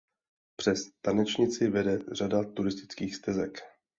Přes Tanečnici vede řada turistických stezek.